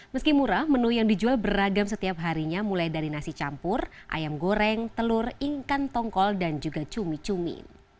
meski murah menu yang dijual beragam setiap harinya mulai dari nasi campur ayam goreng telur ikan tongkol dan juga cumi cumi